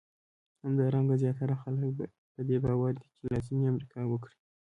همدارنګه زیاتره خلک په دې باور دي چې لاتیني امریکا وګړي.